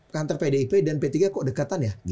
kantor pdip dan p tiga kok dekatan ya